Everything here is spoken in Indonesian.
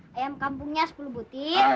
ayam kampungnya sepuluh butir